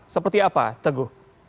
seperti apa tenggu